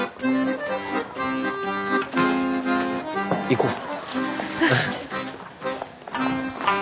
行こう。